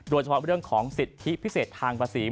โดยเฉพาะเรื่องของสิทธิพิเศษทางภาษี